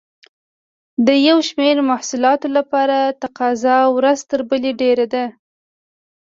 د یو شمېر محصولاتو لپاره تقاضا ورځ تر بلې ډېرېده.